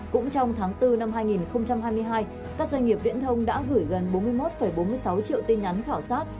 cũng trong tháng bốn năm hai nghìn hai mươi hai các doanh nghiệp viễn thông đã gửi gần bốn mươi một bốn mươi sáu triệu tin nhắn khảo sát